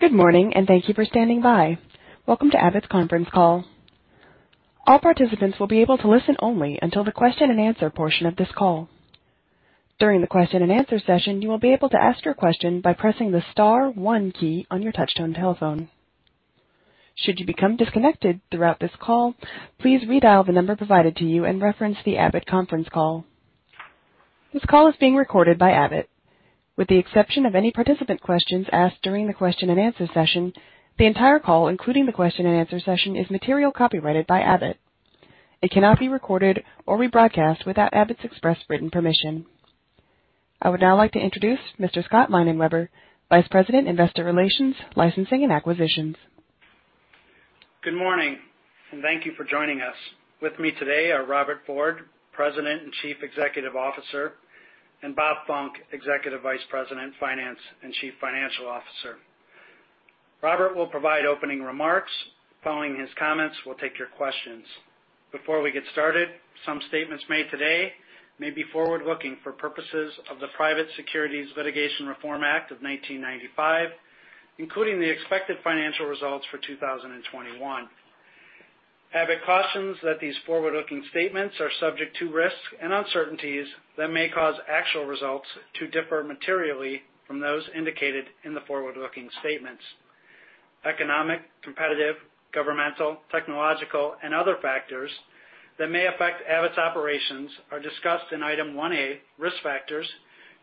Good morning. Thank you for standing by. Welcome to Abbott's conference call. All participants will be able to listen only until the question and answer portion of this call. During the question and answer session, you will be able to ask your question by pressing the star 1 key on your touch-tone telephone. Should you become disconnected throughout this call, please redial the number provided to you and reference the Abbott conference call. This call is being recorded by Abbott. With the exception of any participant questions asked during the question and answer session, the entire call, including the question and answer session, is material copyrighted by Abbott. It cannot be recorded or rebroadcast without Abbott's express written permission. I would now like to introduce Mr. Scott Leinenweber, Vice President, Investor Relations, Licensing and Acquisitions. Good morning, and thank you for joining us. With me today are Robert Ford, President and Chief Executive Officer, and Bob Funck, Executive Vice President, Finance, and Chief Financial Officer. Robert will provide opening remarks. Following his comments, we'll take your questions. Before we get started, some statements made today may be forward-looking for purposes of the Private Securities Litigation Reform Act of 1995, including the expected financial results for 2021. Abbott cautions that these forward-looking statements are subject to risks and uncertainties that may cause actual results to differ materially from those indicated in the forward-looking statements. Economic, competitive, governmental, technological, and other factors that may affect Abbott's operations are discussed in Item 1A, Risk Factors,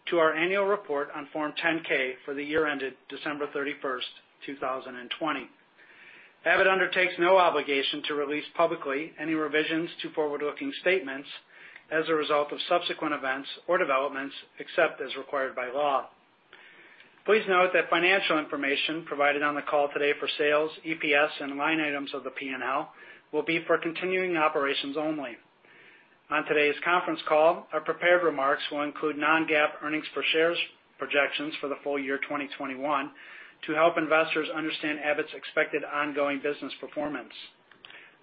to our annual report on Form 10-K for the year ended December 31st, 2020. Abbott undertakes no obligation to release publicly any revisions to forward-looking statements as a result of subsequent events or developments, except as required by law. Please note that financial information provided on the call today for sales, EPS, and line items of the P&L will be for continuing operations only. On today's conference call, our prepared remarks will include non-GAAP earnings per share projections for the full year 2021 to help investors understand Abbott's expected ongoing business performance.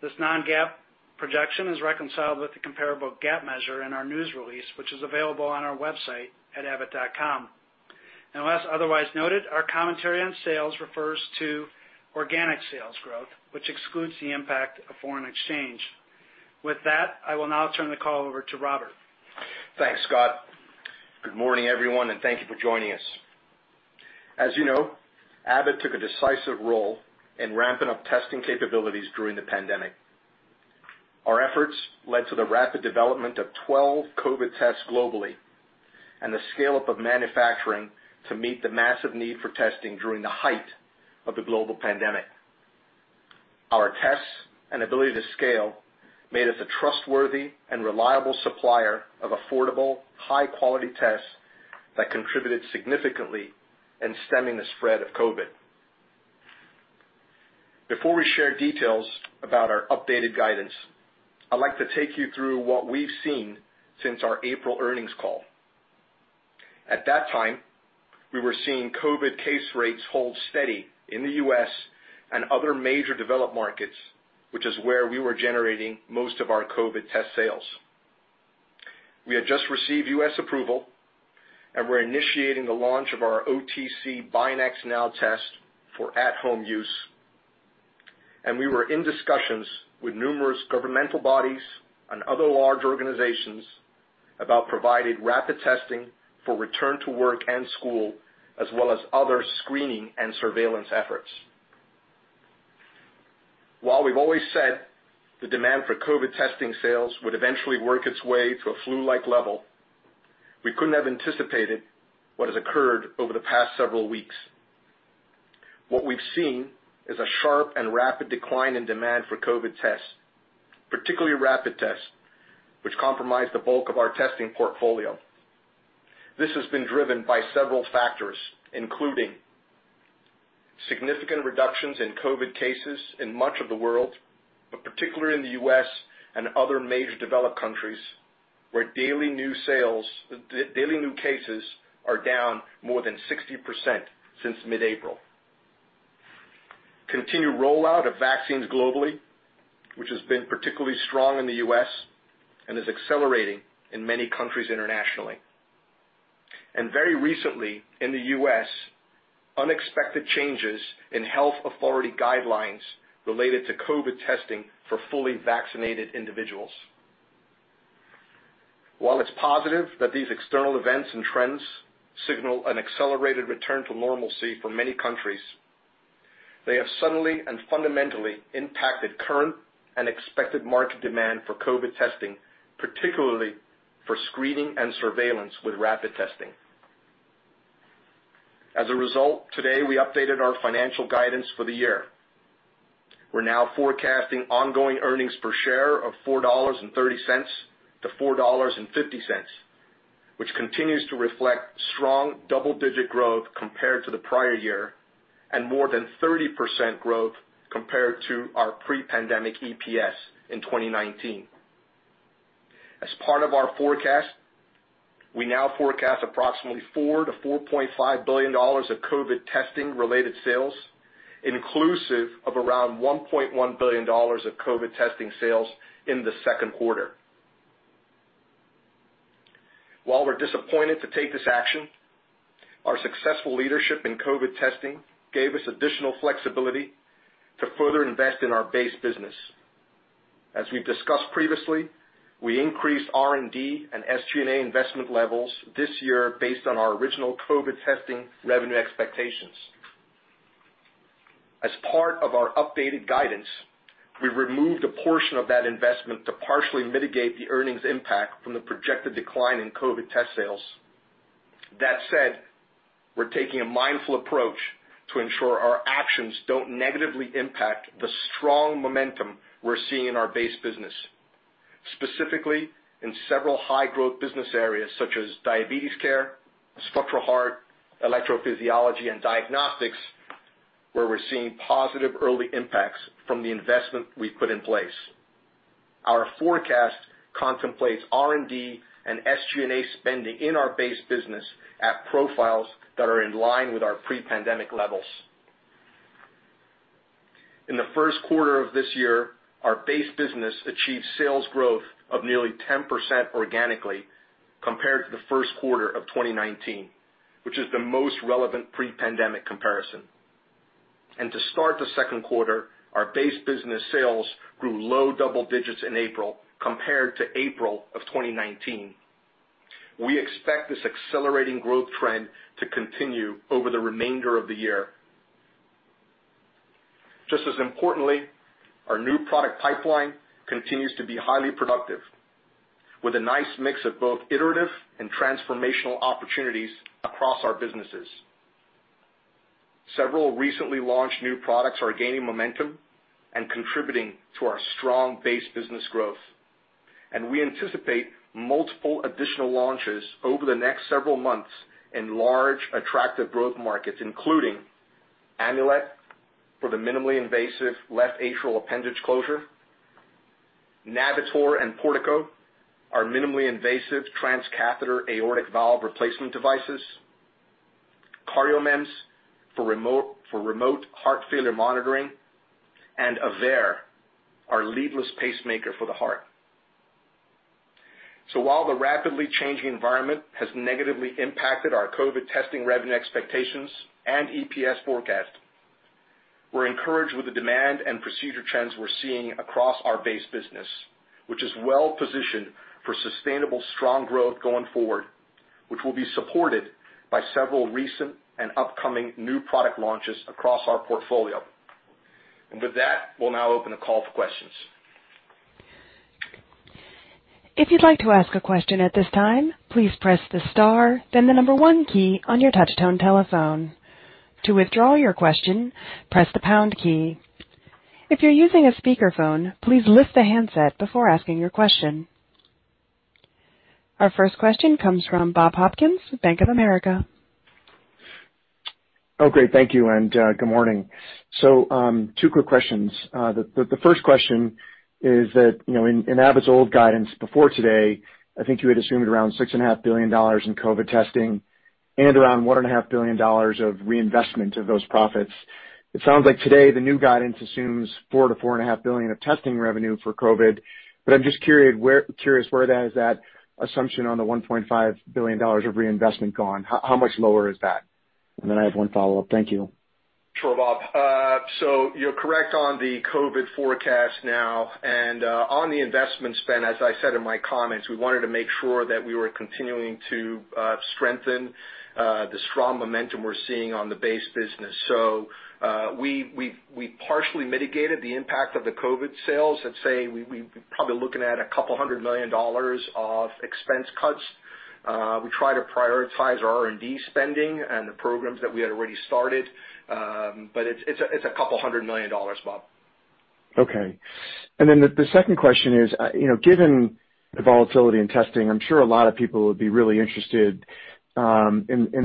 This non-GAAP projection is reconciled with the comparable GAAP measure in our news release, which is available on our website at abbott.com. Unless otherwise noted, our commentary on sales refers to organic sales growth, which excludes the impact of foreign exchange. With that, I will now turn the call over to Robert. Thanks, Scott. Good morning, everyone, and thank you for joining us. As you know, Abbott took a decisive role in ramping up testing capabilities during the pandemic. Our efforts led to the rapid development of 12 COVID tests globally and the scale-up of manufacturing to meet the massive need for testing during the height of the global pandemic. Our tests and ability to scale made us a trustworthy and reliable supplier of affordable, high-quality tests that contributed significantly in stemming the spread of COVID. Before we share details about our updated guidance, I'd like to take you through what we've seen since our April earnings call. At that time, we were seeing COVID case rates hold steady in the U.S. and other major developed markets, which is where we were generating most of our COVID test sales. We had just received U.S. approval and were initiating the launch of our OTC BinaxNOW test for at-home use. We were in discussions with numerous governmental bodies and other large organizations about providing rapid testing for return to work and school, as well as other screening and surveillance efforts. While we've always said the demand for COVID testing sales would eventually work its way to a flu-like level, we couldn't have anticipated what has occurred over the past several weeks. What we've seen is a sharp and rapid decline in demand for COVID tests, particularly rapid tests, which comprise the bulk of our testing portfolio. This has been driven by several factors, including significant reductions in COVID cases in much of the world, but particularly in the U.S. and other major developed countries, where daily new cases are down more than 60% since mid-April. Continued rollout of vaccines globally, which has been particularly strong in the U.S. and is accelerating in many countries internationally. Very recently in the U.S., unexpected changes in health authority guidelines related to COVID testing for fully vaccinated individuals. While it's positive that these external events and trends signal an accelerated return to normalcy for many countries, they have suddenly and fundamentally impacted current and expected market demand for COVID testing, particularly for screening and surveillance with rapid testing. As a result, today, we updated our financial guidance for the year. We're now forecasting ongoing earnings per share of $4.30-$4.50, which continues to reflect strong double-digit growth compared to the prior year and more than 30% growth compared to our pre-pandemic EPS in 2019. As part of our forecast, we now forecast approximately $4 billion-$4.5 billion of COVID testing-related sales, inclusive of around $1.1 billion of COVID testing sales in the second quarter. While we're disappointed to take this action, our successful leadership in COVID testing gave us additional flexibility to further invest in our base business. As we've discussed previously, we increased R&D and SG&A investment levels this year based on our original COVID testing revenue expectations. As part of our updated guidance, we've removed a portion of that investment to partially mitigate the earnings impact from the projected decline in COVID test sales. That said, we're taking a mindful approach to ensure our actions don't negatively impact the strong momentum we're seeing in our base business, specifically in several high-growth business areas such as diabetes care, structural heart, electrophysiology, and diagnostics, where we're seeing positive early impacts from the investment we put in place. Our forecast contemplates R&D and SG&A spending in our base business at profiles that are in line with our pre-pandemic levels. In the first quarter of this year, our base business achieved sales growth of nearly 10% organically compared to the first quarter of 2019, which is the most relevant pre-pandemic comparison. To start the second quarter, our base business sales grew low double digits in April compared to April of 2019. We expect this accelerating growth trend to continue over the remainder of the year. Just as importantly, our new product pipeline continues to be highly productive, with a nice mix of both iterative and transformational opportunities across our businesses. Several recently launched new products are gaining momentum and contributing to our strong base business growth. We anticipate multiple additional launches over the next several months in large, attractive growth markets, including Amulet for the minimally invasive left atrial appendage closure, Navitor and Portico, our minimally invasive transcatheter aortic valve replacement devices, CardioMEMS for remote heart failure monitoring, and AVEIR, our leadless pacemaker for the heart. While the rapidly changing environment has negatively impacted our COVID testing revenue expectations and EPS forecast, we're encouraged with the demand and procedure trends we're seeing across our base business, which is well-positioned for sustainable strong growth going forward, which will be supported by several recent and upcoming new product launches across our portfolio. With that, we'll now open the call for questions. If you'd like to ask a question at this time, please press the star then the number one key on your touch-tone telephone. To withdraw your question, press the pound key. If you're using a speakerphone, please lift the handset before asking your question. Our first question comes from Bob Hopkins, Bank of America. Thank you, and good morning. Two quick questions. The first question is that, in Abbott's old guidance before today, I think you had assumed around $6.5 billion in COVID testing and around $1.5 billion of reinvestment of those profits. It sounds like today the new guidance assumes $4 billion-$4.5 billion of testing revenue for COVID. I'm just curious where that is, that assumption on the $1.5 billion of reinvestment gone. How much lower is that? I have one follow-up. Thank you. Sure, Bob Funck. You're correct on the COVID forecast now. On the investment spend, as I said in my comments, we wanted to make sure that we were continuing to strengthen the strong momentum we're seeing on the base business. We partially mitigated the impact of the COVID sales. Let's say we're probably looking at a couple hundred million dollars of expense cuts. We try to prioritize our R&D spending and the programs that we had already started. It's a couple hundred million dollars, Bob Funck. Okay. The second question is, given the volatility in testing, I'm sure a lot of people would be really interested in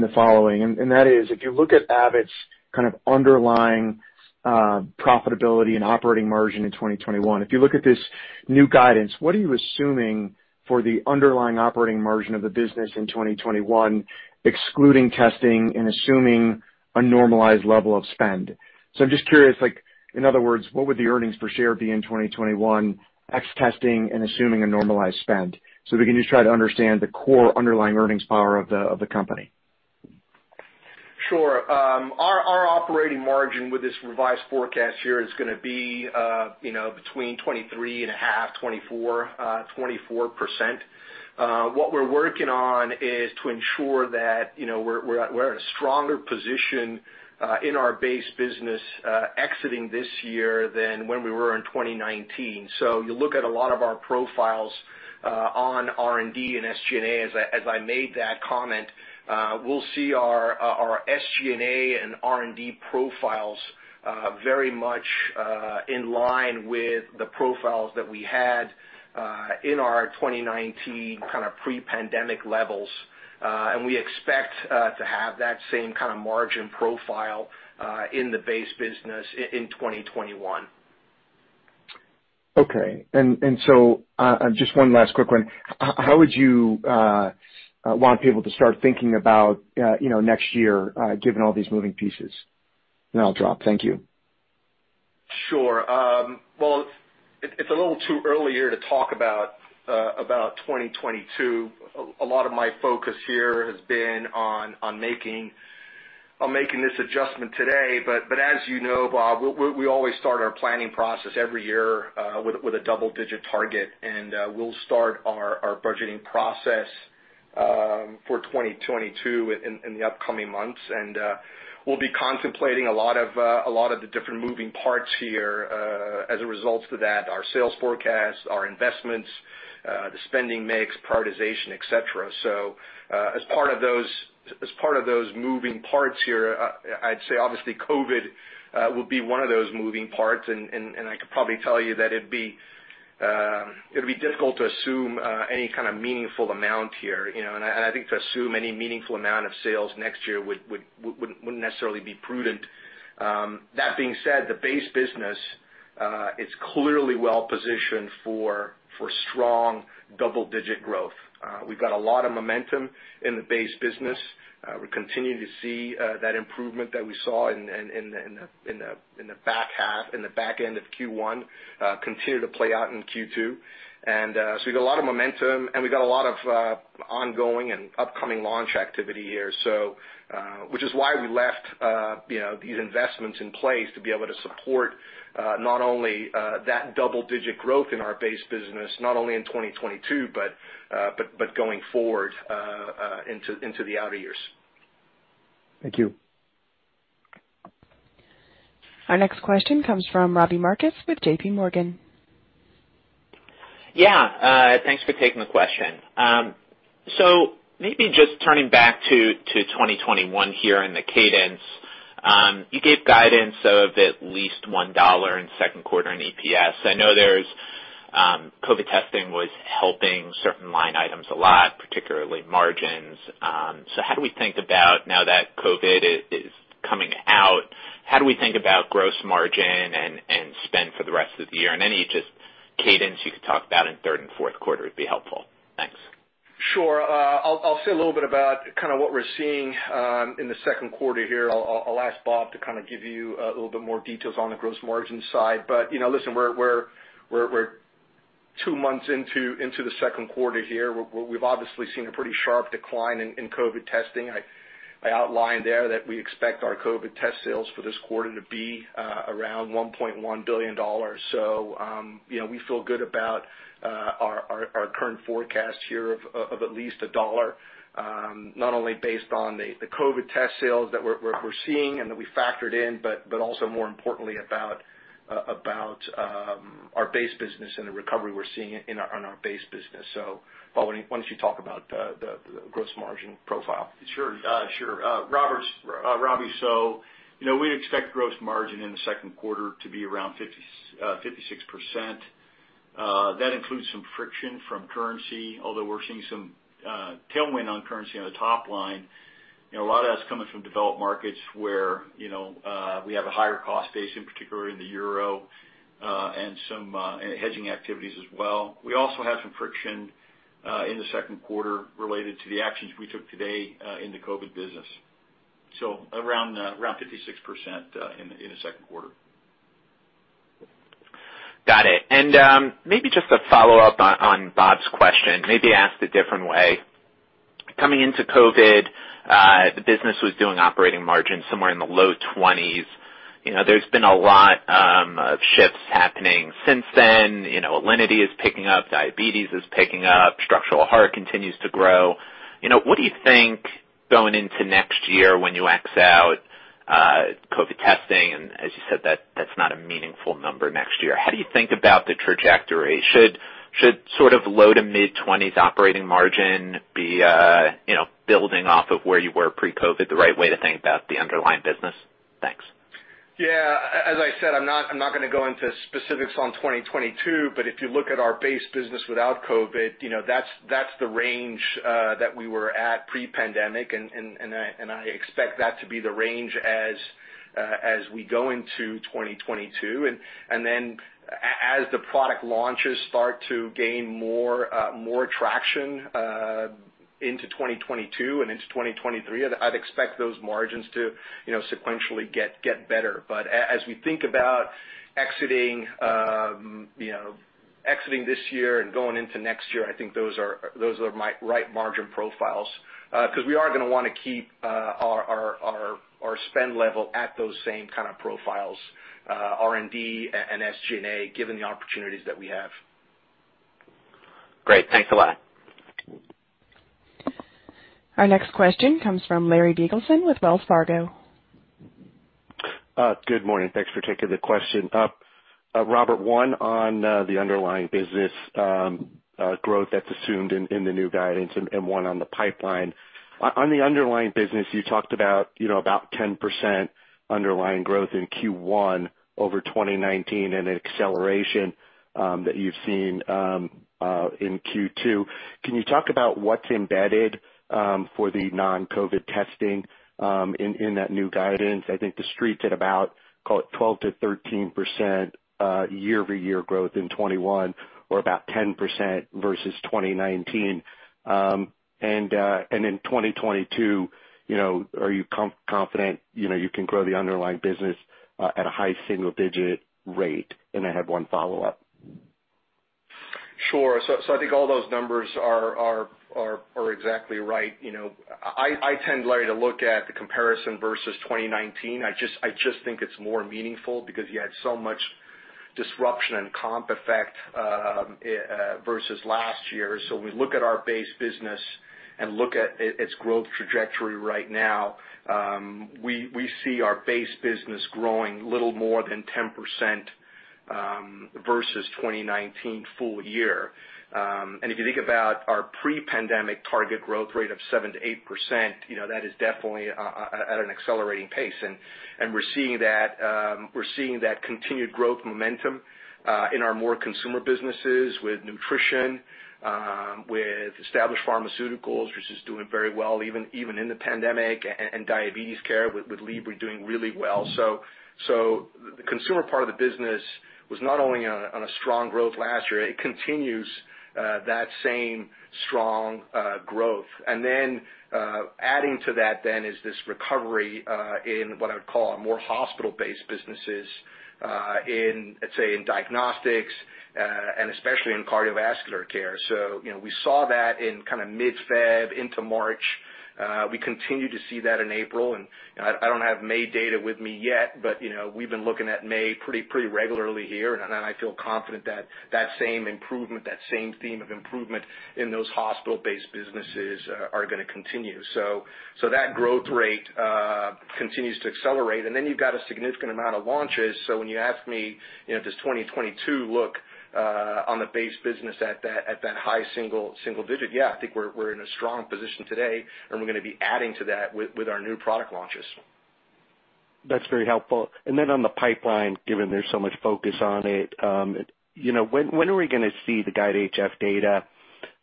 the following, and that is, if you look at Abbott's kind of underlying profitability and operating margin in 2021, if you look at this new guidance, what are you assuming for the underlying operating margin of the business in 2021, excluding testing and assuming a normalized level of spend? I'm just curious, in other words, what would the earnings per share be in 2021, ex testing and assuming a normalized spend? We can just try to understand the core underlying earnings power of the company. Sure. Our operating margin with this revised forecast year is going to be between 23.5%-24%. What we're working on is to ensure that we're at a stronger position in our base business exiting this year than when we were in 2019. You look at a lot of our profiles on R&D and SG&A, as I made that comment, we'll see our SG&A and R&D profiles very much in line with the profiles that we had in our 2019 kind of pre-pandemic levels. We expect to have that same kind of margin profile in the base business in 2021. Okay. Just one last quick one. How would you want people to start thinking about next year, given all these moving pieces? I'll drop. Thank you. Sure. Well, it's a little too early here to talk about 2022. A lot of my focus here has been on making this adjustment today. As you know, Bob, we always start our planning process every year with a double-digit target, and we'll start our budgeting process for 2022 in the upcoming months. We'll be contemplating a lot of the different moving parts here as a result of that, our sales forecast, our investments, the spending mix, prioritization, etc. As part of those moving parts here, I'd say obviously COVID will be one of those moving parts, and I can probably tell you that it'd be difficult to assume any kind of meaningful amount here. I think to assume any meaningful amount of sales next year wouldn't necessarily be prudent. That being said, the base business is clearly well-positioned for strong double-digit growth. We've got a lot of momentum in the base business. We continue to see that improvement that we saw in the back end of Q1 continue to play out in Q2. We've got a lot of momentum, and we've got a lot of ongoing and upcoming launch activity here, which is why we left these investments in place to be able to support not only that double-digit growth in our base business, not only in 2022, but going forward into the outer years. Thank you. Our next question comes from Robbie Marcus with JPMorgan. Yeah. Thanks for taking the question. Maybe just turning back to 2021 here and the cadence. You gave guidance of at least $1 in second quarter in EPS. I know COVID testing was helping certain line items a lot, particularly margins. How do we think about now that COVID is coming out, how do we think about gross margin and spend for the rest of the year? Any just cadence you could talk about in third and fourth quarter would be helpful. Thanks. Sure. I'll say a little bit about what we're seeing in the second quarter here. I'll ask Bob to give you a little bit more details on the gross margin side. Listen, we're two months into the second quarter here. We've obviously seen a pretty sharp decline in COVID testing. I outlined there that we expect our COVID test sales for this quarter to be around $1.1 billion. We feel good about our current forecast here of at least $1, not only based on the COVID test sales that we're seeing and that we factored in, but also more importantly about our base business and the recovery we're seeing in our base business. Bob, why don't you talk about the gross margin profile? Sure. Robbie, we expect gross margin in the second quarter to be around 56%. That includes some friction from currency, although we're seeing some tailwind on currency on the top line. A lot of that's coming from developed markets where we have a higher cost base, in particular the euro, and some hedging activities as well. We also have some friction in the second quarter related to the actions we took today in the COVID business. Around 56% in the second quarter. Got it. Maybe just a follow-up on Bob's question, maybe asked a different way. Coming into COVID, the business was doing operating margin somewhere in the low 20s. There's been a lot of shifts happening since then. Alinity is picking up, diabetes is picking up, structural heart continues to grow. What do you think going into next year when you axe out COVID testing, and as you said, that's not a meaningful number next year. How do you think about the trajectory? Should low to mid-20s operating margin be building off of where you were pre-COVID the right way to think about the underlying business? Thanks. Yeah. As I said, I'm not going to go into specifics on 2022. If you look at our base business without COVID, that's the range that we were at pre-pandemic, and I expect that to be the range as we go into 2022. As the product launches start to gain more traction into 2022 and into 2023, I'd expect those margins to sequentially get better. As we think about exiting this year and going into next year, I think those are right margin profiles because we are going to want to keep our spend level at those same kind of profiles, R&D and SG&A, given the opportunities that we have. Great. Thanks a lot. Our next question comes from Larry Biegelsen with Wells Fargo. Good morning. Thanks for taking the question. Robert, 1 on the underlying business growth that's assumed in the new guidance and 1 on the pipeline. On the underlying business, you talked about 10% underlying growth in Q1 over 2019 and acceleration that you've seen in Q2. Can you talk about what's embedded for the non-COVID testing in that new guidance? I think the Street's at about 12%-13%. Year-over-year growth in 2021 were about 10% versus 2019. In 2022, are you confident you can grow the underlying business at a high single-digit rate? I have 1 follow-up. Sure. I think all those numbers are exactly right. I tend, Larry, to look at the comparison versus 2019. I just think it's more meaningful because you had so much disruption and comp effect versus last year. We look at our base business and look at its growth trajectory right now. We see our base business growing a little more than 10% versus 2019 full year. If you think about our pre-pandemic target growth rate of 7%-8%, that is definitely at an accelerating pace. We're seeing that continued growth momentum in our more consumer businesses with nutrition, with established pharmaceuticals, which is doing very well even in the pandemic, and diabetes care with Libre doing really well. The consumer part of the business was not only on a strong growth last year, it continues that same strong growth. Adding to that then is this recovery in what I would call more hospital-based businesses, let's say, in diagnostics and especially in cardiovascular care. We saw that in mid-Feb into March. We continue to see that in April, and I don't have May data with me yet, but we've been looking at May pretty regularly here, and I feel confident that same theme of improvement in those hospital-based businesses are going to continue. That growth rate continues to accelerate. You've got a significant amount of launches. When you ask me, does 2022 look on the base business at that high single digit? Yeah, I think we're in a strong position today, and we're going to be adding to that with our new product launches. That's very helpful. On the pipeline, given there's so much focus on it, when are we going to see the GUIDE-HF data?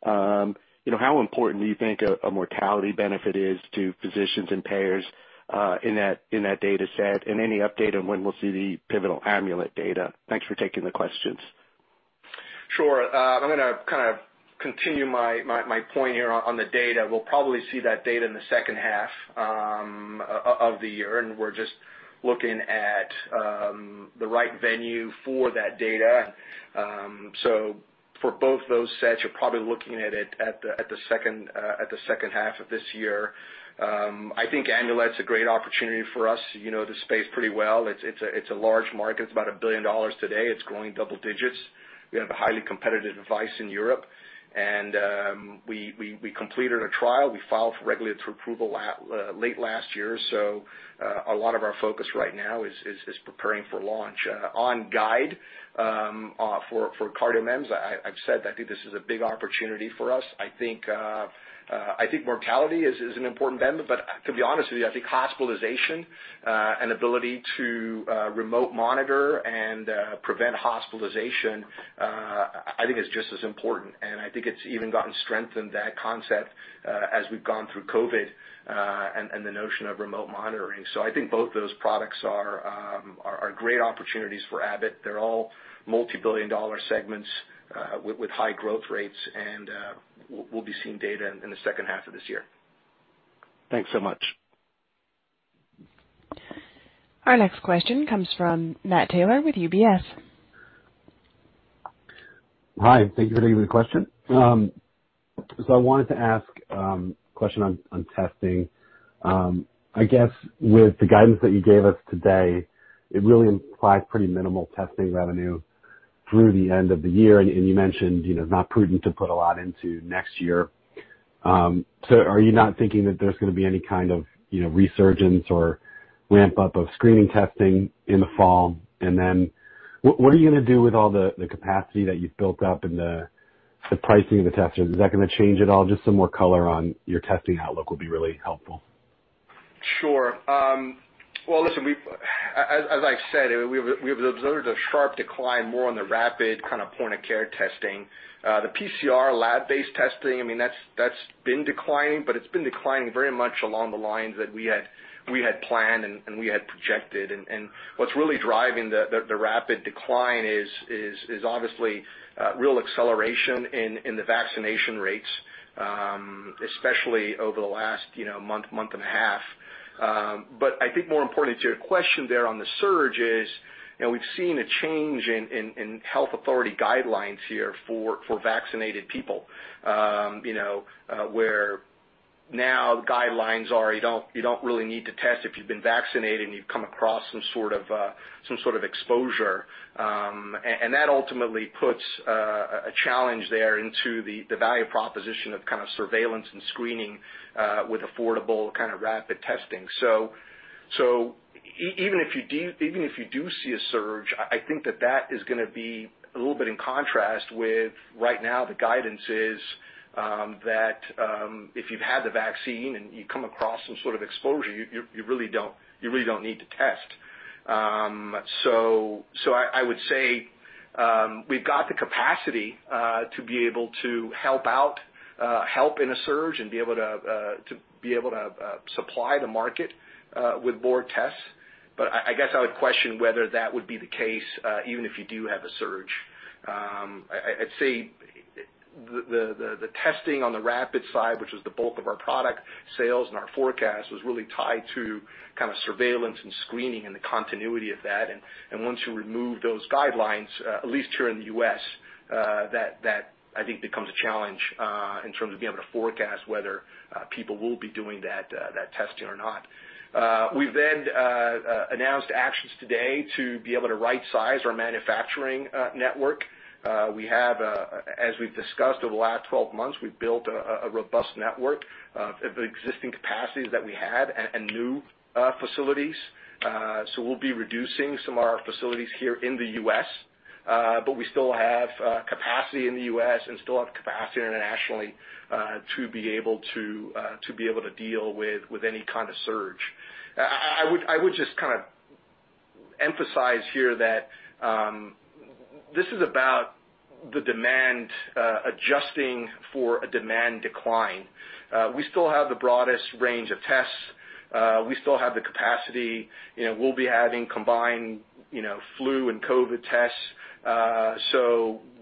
How important do you think a mortality benefit is to physicians and payers in that data set? Any update on when we'll see the pivotal Amulet data. Thanks for taking the questions. Sure. I'm going to kind of continue my point here on the data. We'll probably see that data in the second half of the year, and we're just looking at the right venue for that data. For both those sets, you're probably looking at the second half of this year. I think Amulet's a great opportunity for us. You know the space pretty well. It's a large market. It's about $1 billion today. It's growing double digits. We have a highly competitive device in Europe. We completed a trial. We filed for regulatory approval late last year. A lot of our focus right now is preparing for launch. On GUIDE-HF for CardioMEMS, I've said I think this is a big opportunity for us. I think mortality is an important benefit, but to be honest with you, I think hospitalization and ability to remote monitor and prevent hospitalization I think is just as important. I think it's even gotten strengthened, that concept, as we've gone through COVID and the notion of remote monitoring. I think both those products are great opportunities for Abbott. They're all multi-billion-dollar segments with high growth rates, and we'll be seeing data in the 2nd half of this year. Thanks so much. Our next question comes from Matt Taylor with UBS. Hi, thank you for taking the question. I wanted to ask a question on testing. With the guidance that you gave us today, it really implies pretty minimal testing revenue through the end of the year, and you mentioned it's not prudent to put a lot into next year. Are you not thinking that there's going to be any kind of resurgence or ramp-up of screening testing in the fall? What are you going to do with all the capacity that you've built up and the pricing of the testers? Is that going to change at all? Just some more color on your testing outlook will be really helpful. Sure. Well, listen, as I've said, we have observed a sharp decline more on the rapid kind of point-of-care testing. The PCR lab-based testing, that's been declining, it's been declining very much along the lines that we had planned and we had projected. What's really driving the rapid decline is obviously a real acceleration in the vaccination rates, especially over the last month and a half. I think more important to your question there on the surge is, we've seen a change in health authority guidelines here for vaccinated people, where now the guidelines are you don't really need to test if you've been vaccinated and you've come across some sort of exposure. That ultimately puts a challenge there into the value proposition of kind of surveillance and screening with affordable rapid testing. Even if you do see a surge, I think that that is going to be a little bit in contrast with right now the guidance is that if you've had the vaccine and you come across some sort of exposure, you really don't need to test. I would say, we've got the capacity to be able to help out, help in a surge, and to be able to supply the market with more tests. I guess I would question whether that would be the case, even if you do have a surge. I'd say the testing on the rapid side, which was the bulk of our product sales and our forecast, was really tied to kind of surveillance and screening and the continuity of that. Once you remove those guidelines, at least here in the U.S., that I think becomes a challenge in terms of being able to forecast whether people will be doing that testing or not. We've announced actions today to be able to right size our manufacturing network. We have, as we've discussed over the last 12 months, we've built a robust network of existing capacities that we had and new facilities. We'll be reducing some of our facilities here in the U.S., but we still have capacity in the U.S. and still have capacity internationally to be able to deal with any kind of surge. I would just kind of emphasize here that this is about the demand adjusting for a demand decline. We still have the broadest range of tests. We still have the capacity. We'll be having combined flu and COVID tests.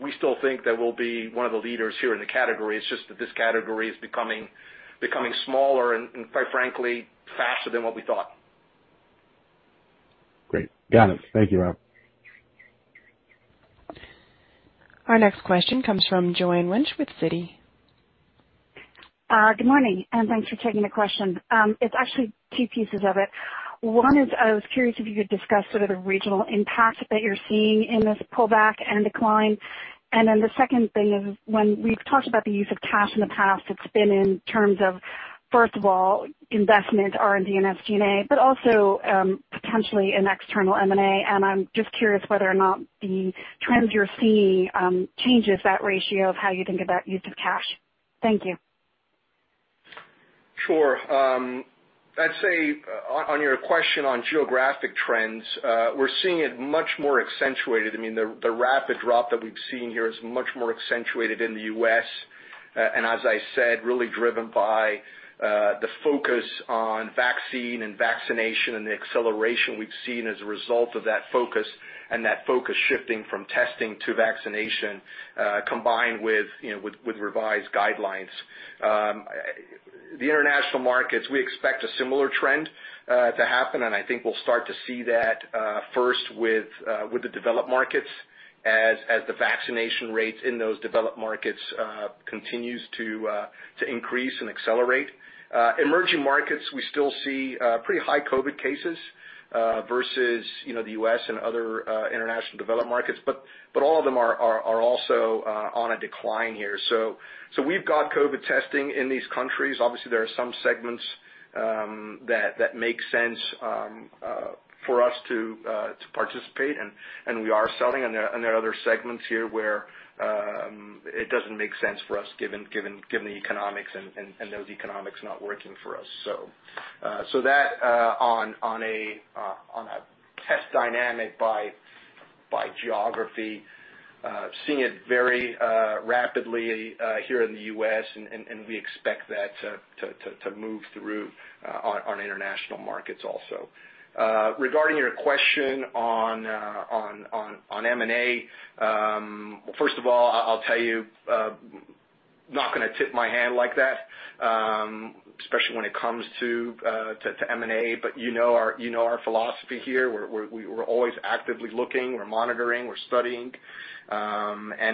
We still think that we'll be one of the leaders here in the category. It's just that this category is becoming smaller and quite frankly, faster than what we thought. Great. Got it. Thank you, Rob. Our next question comes from Joanne Wuensch with Citi. Good morning, and thanks for taking the question. It's actually two pieces of it. One is, I was curious if you could discuss sort of the regional impact that you're seeing in this pullback and decline. The second thing is, when we've talked about the use of cash in the past, it's been in terms of, first of all, investment, R&D, and SG&A, but also potentially an external M&A. I'm just curious whether or not the trends you're seeing changes that ratio of how you think about use of cash. Thank you. Sure. I'd say on your question on geographic trends, we're seeing it much more accentuated. I mean, the rapid drop that we've seen here is much more accentuated in the U.S., and as I said, really driven by the focus on vaccine and vaccination and the acceleration we've seen as a result of that focus and that focus shifting from testing to vaccination, combined with revised guidelines. The international markets, we expect a similar trend to happen, and I think we'll start to see that first with the developed markets as the vaccination rates in those developed markets continues to increase and accelerate. Emerging markets, we still see pretty high COVID cases versus the U.S. and other international developed markets, all of them are also on a decline here. We've got COVID testing in these countries. Obviously, there are some segments that make sense for us to participate, and we are selling. There are other segments here where it doesn't make sense for us given the economics and those economics not working for us. That on a test dynamic by geography, seeing it very rapidly here in the U.S., and we expect that to move through on international markets also. Regarding your question on M&A, first of all, I'll tell you, not going to tip my hand like that, especially when it comes to M&A. You know our philosophy here. We're always actively looking. We're monitoring, we're studying.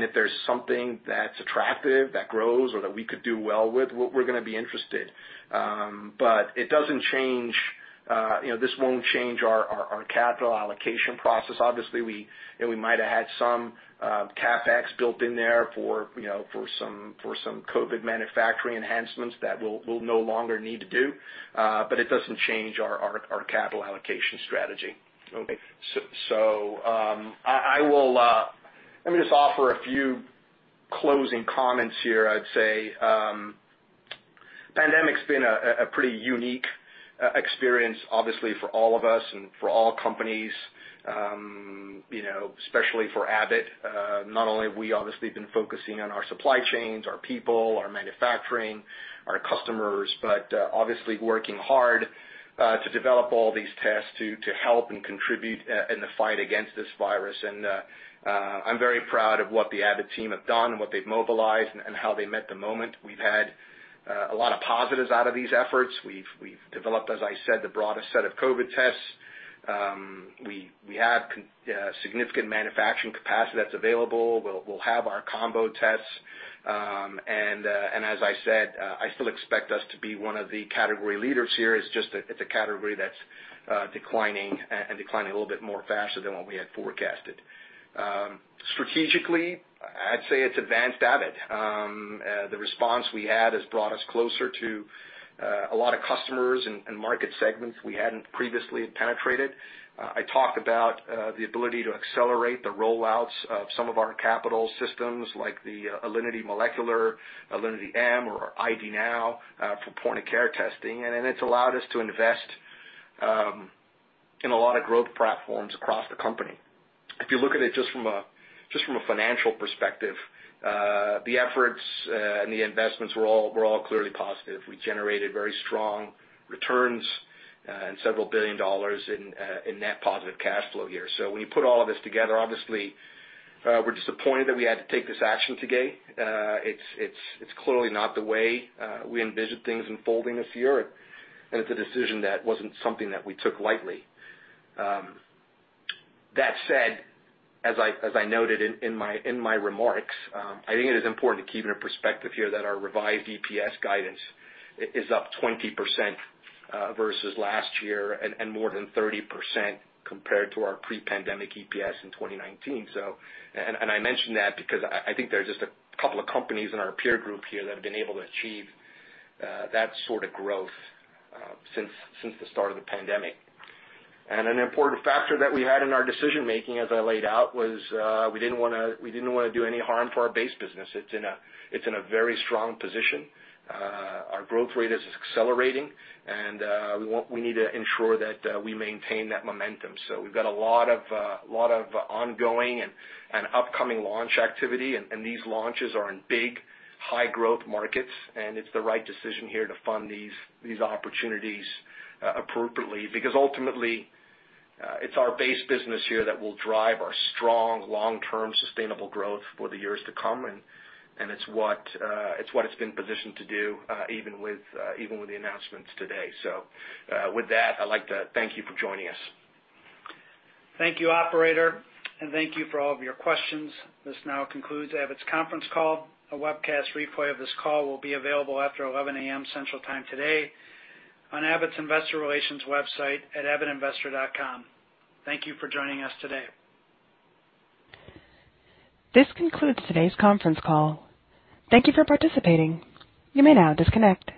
If there's something that's attractive that grows or that we could do well with, we're going to be interested. This won't change our capital allocation process. Obviously, we might have had some CapEx built in there for some COVID manufacturing enhancements that we'll no longer need to do. It doesn't change our capital allocation strategy. Let me just offer a few closing comments here. I'd say pandemic's been a pretty unique experience, obviously, for all of us and for all companies, especially for Abbott. Not only have we obviously been focusing on our supply chains, our people, our manufacturing, our customers, but obviously working hard to develop all these tests to help and contribute in the fight against this virus. I'm very proud of what the Abbott team have done and what they've mobilized and how they met the moment. We've had a lot of positives out of these efforts. We've developed, as I said, the broadest set of COVID tests. We have significant manufacturing capacity that's available. We'll have our combo tests. As I said, I still expect us to be one of the category leaders here. It's just that it's a category that's declining and declining a little bit more faster than what we had forecasted. Strategically, I'd say it's advanced Abbott. The response we had has brought us closer to a lot of customers and market segments we hadn't previously penetrated. I talked about the ability to accelerate the rollouts of some of our capital systems, like the Alinity m or our ID NOW for point-of-care testing. It's allowed us to invest in a lot of growth platforms across the company. If you look at it just from a financial perspective, the efforts and the investments were all clearly positive. We generated very strong returns and several billion dollars in net positive cash flow here. When you put all this together, obviously, we're disappointed that we had to take this action today. It's clearly not the way we envisioned things unfolding this year. It's a decision that wasn't something that we took lightly. That said, as I noted in my remarks, I think it is important to keep it in perspective here that our revised EPS guidance is up 20% versus last year and more than 30% compared to our pre-pandemic EPS in 2019. I mention that because I think there are just a couple of companies in our peer group here that have been able to achieve that sort of growth since the start of the pandemic. An important factor that we had in our decision-making, as I laid out, was we didn't want to do any harm to our base business. It's in a very strong position. Our growth rate is accelerating, and we need to ensure that we maintain that momentum. We've got a lot of ongoing and upcoming launch activity, and these launches are in big, high-growth markets, and it's the right decision here to fund these opportunities appropriately. Because ultimately, it's our base business here that will drive our strong, long-term sustainable growth for the years to come, and it's what it's been positioned to do even with the announcements today. With that, I'd like to thank you for joining us. Thank you, operator, and thank you for all of your questions. This now concludes Abbott's conference call. A webcast replay of this call will be available after 11:00 A.M. Central Time today on Abbott's Investor Relations website at abbottinvestor.com. Thank you for joining us today. This concludes today's conference call. Thank you for participating. You may now disconnect.